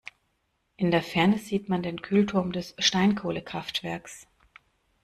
In der Ferne sieht man den Kühlturm des Steinkohlekraftwerks.